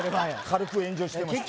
軽く炎上してます